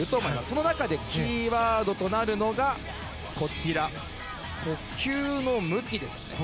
その中で、キーワードとなるのが呼吸の向きです。